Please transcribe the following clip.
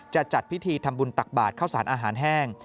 จัดพิธีทำบุญตักบาทเข้าสารอาหารแห้ง